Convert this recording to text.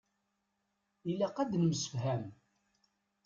Ilaq ad nemsefham.